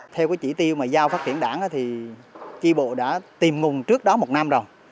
theo chỉ tiêu giao phát triển đảng trì bộ đã tìm nguồn trước đó một năm rồi